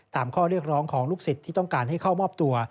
ข้อเรียกร้องของลูกศิษย์ที่ต้องการให้เข้ามอบตัว